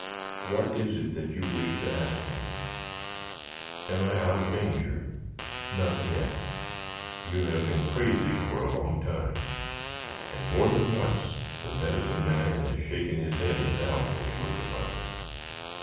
What is it that you wish to ask me?" "Am I out of danger?" "Not yet. You have been crazy for a long time, and more than once the Medicine Man has shaken his head in doubt when he looked upon you."